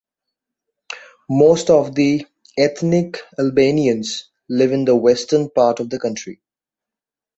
Most of the ethnic Albanians live in the western part of the country.